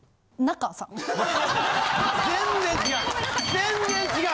全然違う。